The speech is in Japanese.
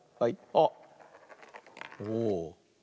あっおお。